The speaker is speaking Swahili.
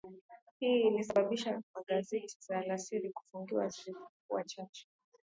Hii ilisababisha magazeti za alasiri kufungwa zisipokuwa chache